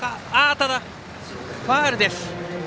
ただファウルです。